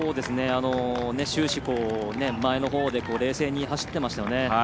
終始前のほうで冷静に走っていますよね。